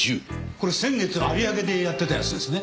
これ先月有明でやってたやつですね。